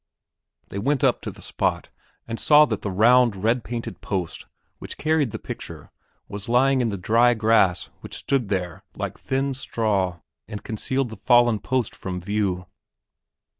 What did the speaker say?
They went up to the spot and saw that the round, red painted post which carried the picture was lying in the dry grass which stood there like thin straw and concealed the fallen post from view.